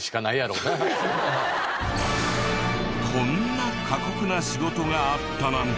こんな過酷な仕事があったなんて！